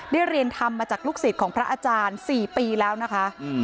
เรียนทำมาจากลูกศิษย์ของพระอาจารย์๔ปีแล้วนะคะ